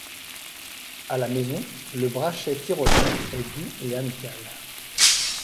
À la maison, le brachet tyrolien est doux et amical.